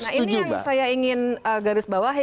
nah ini yang saya ingin garis bawahi